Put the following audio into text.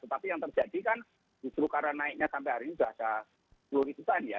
tetapi yang terjadi kan justru karena naiknya sampai hari ini sudah ada sepuluh ribuan ya